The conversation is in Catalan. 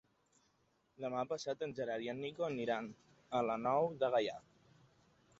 Demà passat en Gerard i en Nico aniran a la Nou de Gaià.